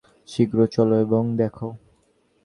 শীঘ্র চল এবং দেখ।